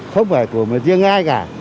không phải của riêng ai cả